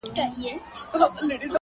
په عزت په شرافت باندي پوهېږي’